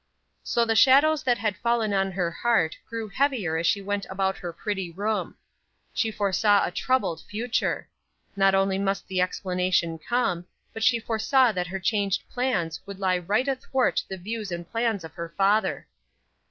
So the shadows that had fallen on her heart grew heavier as she went about her pretty room. She foresaw a troubled future. Not only must the explanation come, but she foresaw that her changed plans would lie right athwart the views and plans of her father.